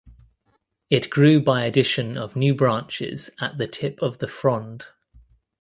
It grew by addition of new branches at the tip of the frond.